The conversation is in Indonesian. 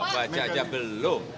baca aja belum